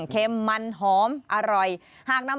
เข็มมันหอมอร่อยคั่วกรอบนะ